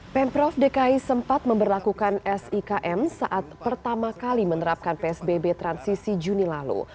pemprov dki sempat memperlakukan sikm saat pertama kali menerapkan psbb transisi juni lalu